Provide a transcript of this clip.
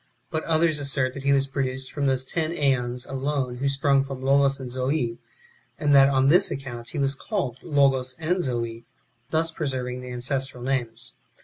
But others assert that he was produced from those ten JEons alone who sprung from Logos and Zoe, and that on this account he was called Logos and Zoe, thus preserving the ancestral names.